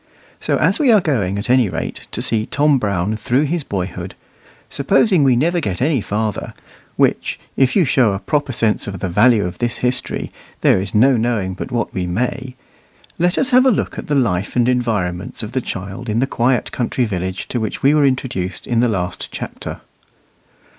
So as we are going at any rate to see Tom Brown through his boyhood, supposing we never get any farther (which, if you show a proper sense of the value of this history, there is no knowing but what we may), let us have a look at the life and environments of the child in the quiet country village to which we were introduced in the last chapter.